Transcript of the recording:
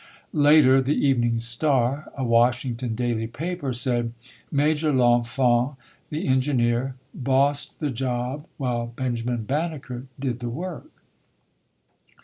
Later, The Evening Star, a Washington daily paper, said, "Major L'Enfant, the engi BENJAMIN BANNEKER [163 neer, bossed the job while Benjamin Banneker did the work".